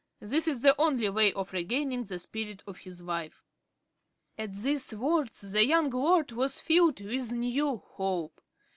This is the only way of regaining the spirit of his wife." At these words the young lord was filled with new hope.